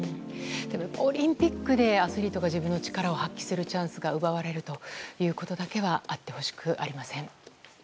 オリンピックでアスリートが自分の力を発揮するチャンスが奪われるということだけはあってほしくありません。